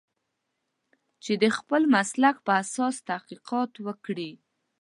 چې د خپل مسلک په اساس تحقیقات وکړي.